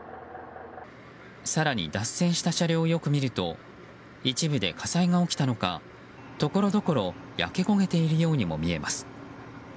更に、脱線した車両をよく見ると一部で火災が起きたのかところどころ焼け焦げているようにも見えます。